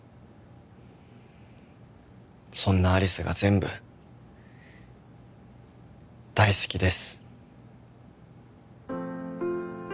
そんな有栖が全部大好きです